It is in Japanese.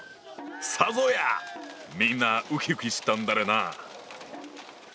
さぞやみんなうきうきしたんだろうな。